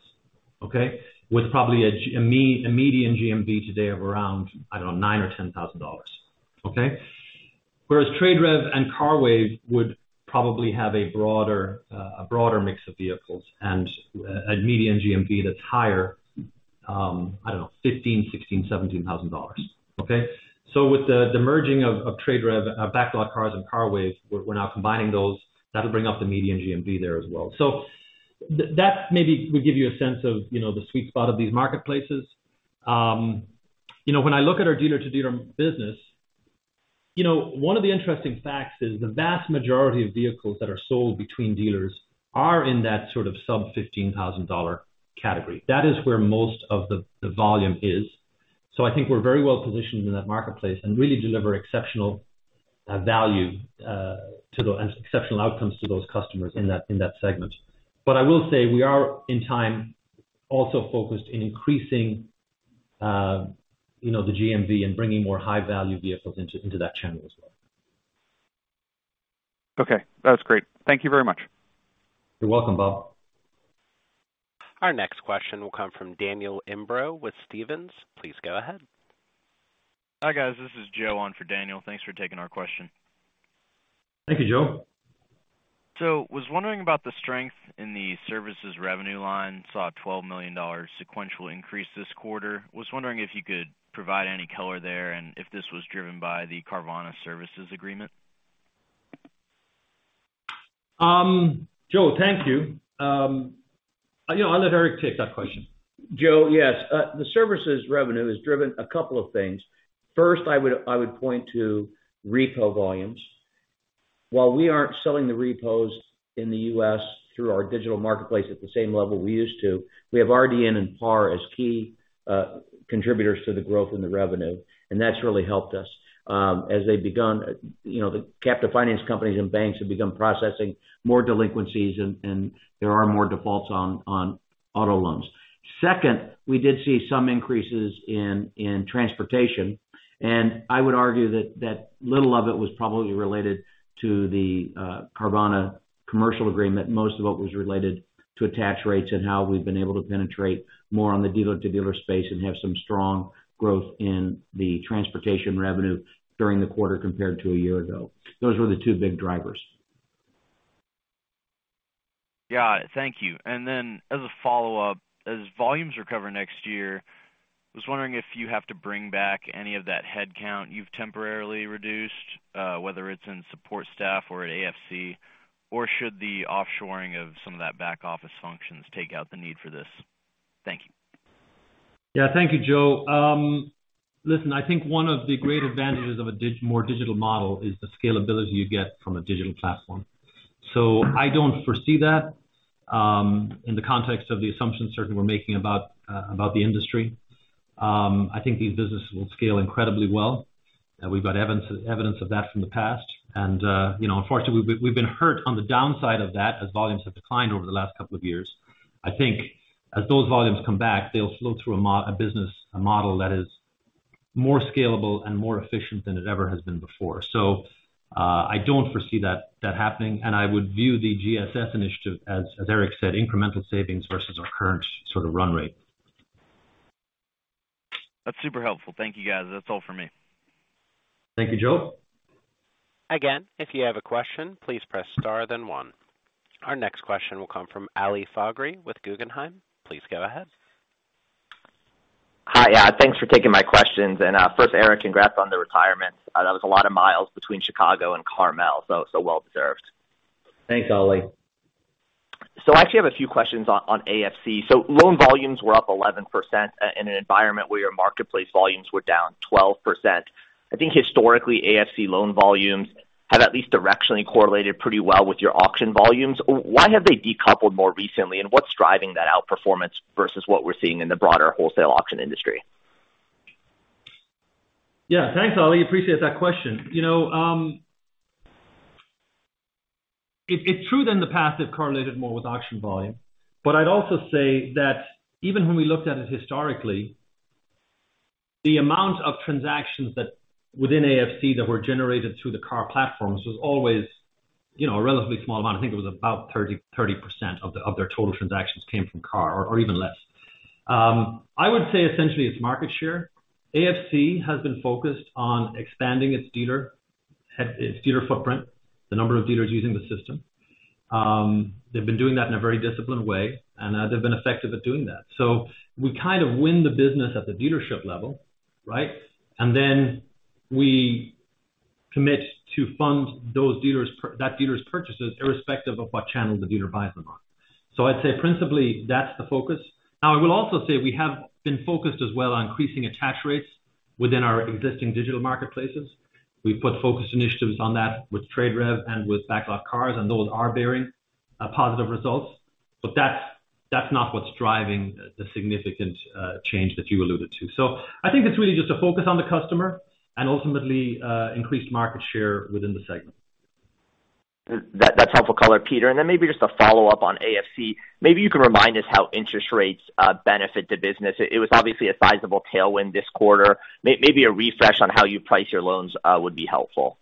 Speaker 3: Okay. With probably a median GMV today of around, I don't know, $9,000 or $10,000. Okay. Whereas TradeRev and CARWAVE would probably have a broader, a broader mix of vehicles and a median GMV that's higher, I don't know, $15,000, $16,000, $17,000. Okay. With the merging of TradeRev, BacklotCars and CARWAVE, we're now combining those. That'll bring up the median GMV there as well. That maybe would give you a sense of, you know, the sweet spot of these marketplaces. You know, when I look at our dealer-to-dealer business, you know, one of the interesting facts is the vast majority of vehicles that are sold between dealers are in that sort of sub-$15,000 category. That is where most of the volume is. I think we're very well positioned in that marketplace and really deliver exceptional value and exceptional outcomes to those customers in that segment. I will say we are at this time also focused on increasing you know the GMV and bringing more high value vehicles into that channel as well.
Speaker 8: Okay, that was great. Thank you very much.
Speaker 3: You're welcome, Bob.
Speaker 1: Our next question will come from Daniel Imbro with Stephens. Please go ahead.
Speaker 9: Hi, guys. This is Joe on for Daniel. Thanks for taking our question.
Speaker 3: Thank you, Joe.
Speaker 9: Was wondering about the strength in the services revenue line. Saw a $12 million sequential increase this quarter. Was wondering if you could provide any color there and if this was driven by the Carvana services agreement.
Speaker 3: Joe, thank you. You know, I'll let Eric take that question.
Speaker 4: Joe, yes. The services revenue is driven a couple of things. First, I would point to repo volumes. While we aren't selling the repos in the U.S. through our digital marketplace at the same level we used to, we have RDN and PAR as key contributors to the growth in the revenue, and that's really helped us. As they've begun, you know, the captive finance companies and banks have begun processing more delinquencies and there are more defaults on auto loans. Second, we did see some increases in transportation, and I would argue that little of it was probably related to the Carvana commercial agreement. Most of it was related to attach rates and how we've been able to penetrate more on the dealer-to-dealer space and have some strong growth in the transportation revenue during the quarter compared to a year ago. Those were the two big drivers.
Speaker 9: Got it. Thank you. As a follow-up, as volumes recover next year, I was wondering if you have to bring back any of that headcount you've temporarily reduced, whether it's in support staff or at AFC, or should the offshoring of some of that back office functions take out the need for this? Thank you.
Speaker 3: Yeah. Thank you, Joe. Listen, I think one of the great advantages of a more digital model is the scalability you get from a digital platform. I don't foresee that, in the context of the assumptions certainly we're making about the industry. I think these businesses will scale incredibly well. We've got evidence of that from the past. You know, unfortunately, we've been hurt on the downside of that as volumes have declined over the last couple of years. I think as those volumes come back, they'll flow through a business, a model that is more scalable and more efficient than it ever has been before. I don't foresee that happening, and I would view the GSS initiative as Eric said, incremental savings versus our current sort of run rate.
Speaker 9: That's super helpful. Thank you, guys. That's all for me.
Speaker 3: Thank you, Joe.
Speaker 1: Again, if you have a question, please press star then one. Our next question will come from Ali Faghri with Guggenheim. Please go ahead.
Speaker 10: Hi. Yeah, thanks for taking my questions. First, Eric, congrats on the retirement. That was a lot of miles between Chicago and Carmel, so well deserved.
Speaker 4: Thanks, Ali.
Speaker 10: I actually have a few questions on AFC. Loan volumes were up 11% in an environment where your marketplace volumes were down 12%. I think historically, AFC loan volumes have at least directionally correlated pretty well with your auction volumes. Why have they decoupled more recently, and what's driving that outperformance versus what we're seeing in the broader wholesale auction industry?
Speaker 3: Yeah. Thanks, Ali. Appreciate that question. You know, it's true that in the past it correlated more with auction volume. I'd also say that even when we looked at it historically, the amount of transactions that within AFC that were generated through the KAR platforms was always, you know, a relatively small amount. I think it was about 30% of their total transactions came from KAR or even less. I would say essentially it's market share. AFC has been focused on expanding its dealer footprint, the number of dealers using the system. They've been doing that in a very disciplined way, and they've been effective at doing that. We kind of win the business at the dealership level, right? We commit to fund those dealers that dealer's purchases irrespective of what channel the dealer buys them on. I'd say principally, that's the focus. I will also say we have been focused as well on increasing attach rates within our existing digital marketplaces. We've put focus initiatives on that with TradeRev and with BacklotCars, and those are bearing positive results. But that's not what's driving the significant change that you alluded to. I think it's really just a focus on the customer and ultimately increased market share within the segment.
Speaker 10: That's helpful color, Peter. Then maybe just a follow-up on AFC. Maybe you can remind us how interest rates benefit the business. It was obviously a sizable tailwind this quarter. Maybe a refresh on how you price your loans would be helpful.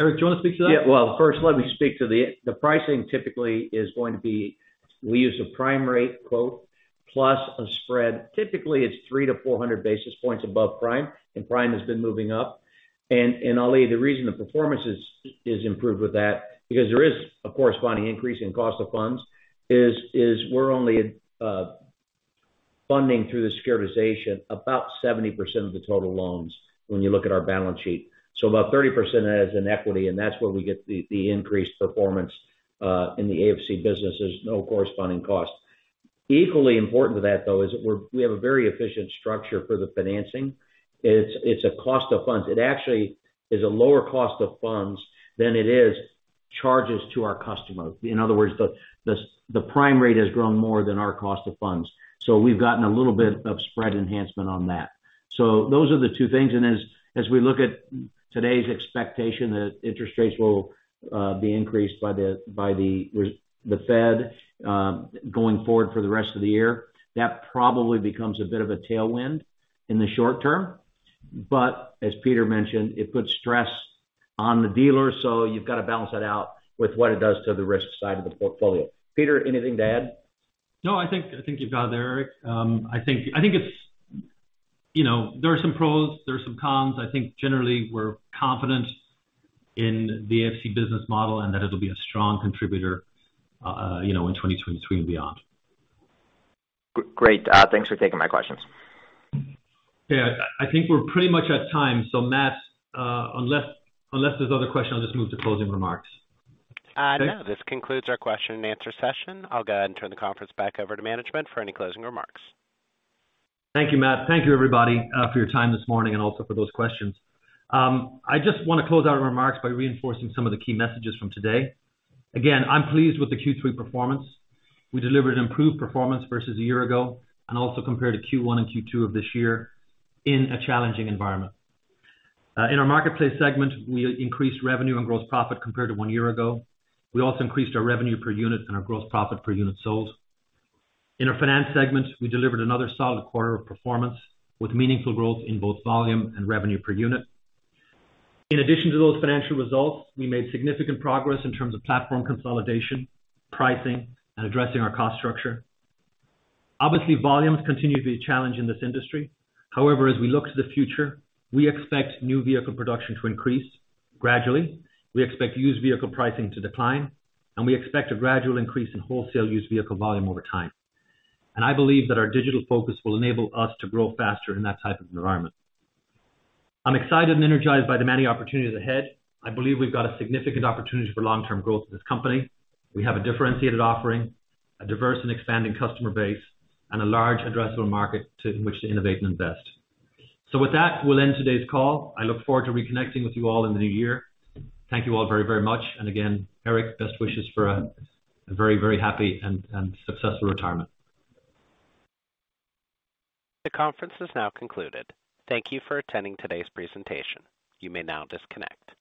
Speaker 3: Eric, do you wanna speak to that?
Speaker 4: Yeah. Well, first let me speak to the pricing. Typically, it's going to be we use a prime rate quote plus a spread. Typically, it's 300-400 basis points above prime, and prime has been moving up. Ali, the reason the performance is improved with that, because there is a corresponding increase in cost of funds, is we're only funding through the securitization about 70% of the total loans when you look at our balance sheet. About 30% is in equity, and that's where we get the increased performance in the AFC business. There's no corresponding cost. Equally important to that, though, is we have a very efficient structure for the financing. It's a cost of funds. It actually is a lower cost of funds than is charged to our customers. In other words, the prime rate has grown more than our cost of funds. We've gotten a little bit of spread enhancement on that. Those are the two things. As we look at today's expectation that interest rates will be increased by the Fed going forward for the rest of the year, that probably becomes a bit of a tailwind in the short term. As Peter mentioned, it puts stress on the dealer, so you've got to balance that out with what it does to the risk side of the portfolio. Peter, anything to add?
Speaker 3: No, I think you've got it there, Eric. I think it's you know, there are some pros, there are some cons. I think generally we're confident in the AFC business model and that it'll be a strong contributor, you know, in 2023 and beyond.
Speaker 10: Great. Thanks for taking my questions.
Speaker 3: Yeah. I think we're pretty much at time. Matt, unless there's other questions, I'll just move to closing remarks.
Speaker 1: No. This concludes our question and answer session. I'll go ahead and turn the conference back over to management for any closing remarks.
Speaker 3: Thank you, Matt. Thank you, everybody, for your time this morning and also for those questions. I just wanna close out our remarks by reinforcing some of the key messages from today. Again, I'm pleased with the Q3 performance. We delivered an improved performance versus a year ago, and also compared to Q1 and Q2 of this year in a challenging environment. In our Marketplace segment, we increased revenue and gross profit compared to one year ago. We also increased our revenue per unit and our gross profit per unit sold. In our Finance segment, we delivered another solid quarter of performance with meaningful growth in both volume and revenue per unit. In addition to those financial results, we made significant progress in terms of platform consolidation, pricing, and addressing our cost structure. Obviously, volumes continue to be a challenge in this industry. However, as we look to the future, we expect new vehicle production to increase gradually. We expect used vehicle pricing to decline, and we expect a gradual increase in wholesale used vehicle volume over time. I believe that our digital focus will enable us to grow faster in that type of environment. I'm excited and energized by the many opportunities ahead. I believe we've got a significant opportunity for long-term growth in this company. We have a differentiated offering, a diverse and expanding customer base, and a large addressable market in which to innovate and invest. With that, we'll end today's call. I look forward to reconnecting with you all in the new year. Thank you all very, very much. Again, Eric, best wishes for a very, very happy and successful retirement.
Speaker 1: The conference is now concluded. Thank you for attending today's presentation. You may now disconnect.